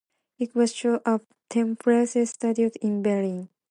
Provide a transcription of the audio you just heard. It was shot at Tempelhof Studios in Berlin.